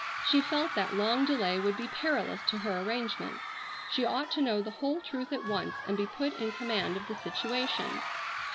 She felt that long delay would be perilous to her arrangements. She ought to know the whole truth at once and be put in command of the situation.